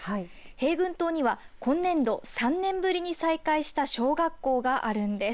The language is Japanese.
平郡島には今年度３年ぶりに再開した小学校があるんです。